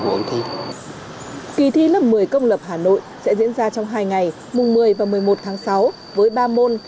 kỳ thi lớp một mươi công lập hà nội sẽ diễn ra trong hai ngày mùng một mươi và một mươi một tháng sáu với ba môn